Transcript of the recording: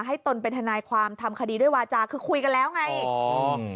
ตนเป็นทนายความทำคดีด้วยวาจาคือคุยกันแล้วไงอ๋อ